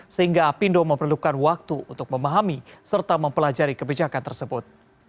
sehingga apindo memerlukan waktu untuk memahami serta mempelajari kebijakan tersebut